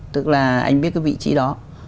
tức là anh biết cái vị trí đó